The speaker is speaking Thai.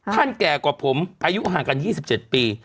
แก่กว่าผมอายุห่างกัน๒๗ปี